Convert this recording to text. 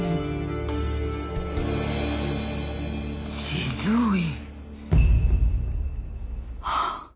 地蔵院。